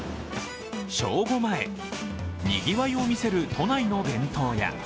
正午前、にぎわいを見せる都内の弁当屋。